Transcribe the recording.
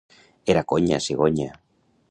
—Era conya, cigonya!